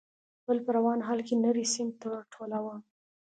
، بل په روان حال کې نری سيم ټولاوه.